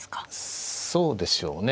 そうでしょうね。